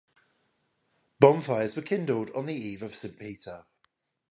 Bonfires were kindled on the Eve of St. Peter.